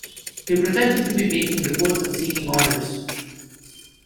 He pretended to be making reports and seeking orders.